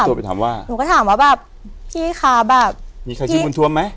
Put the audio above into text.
ไปถามว่าหนูก็ถามว่าแบบพี่คะแบบมีใครชื่อบุญทวมไหม